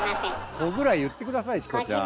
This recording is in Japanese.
「こ」ぐらい言って下さいチコちゃん。